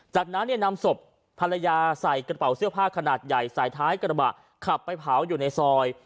จากนั้นเนี่ยนำศพภรรยาใส่กระเป๋าเสื้อผ้าขนาดใหญ่ใส่ท้ายกระบะขับไปเผาอยู่ในซอย